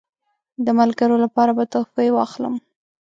د ملګرو لپاره به تحفې واخلم.